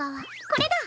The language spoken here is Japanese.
これだ！